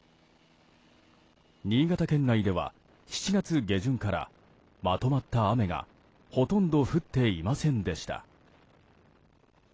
新潟県内では、７月下旬からまとまった雨がほとんど降っていませんでした。